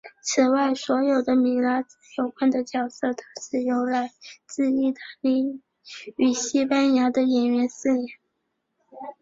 此外所有跟米拉兹有关的角色都是由来自义大利与西班牙的演员饰演。